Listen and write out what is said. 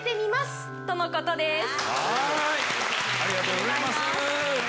ありがとうございます。